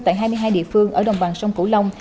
tại hai mươi hai địa phương ở đồng bằng sông cửu long